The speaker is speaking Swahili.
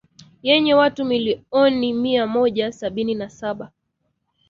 yenye watu milioni mia Mmoja sabini na saba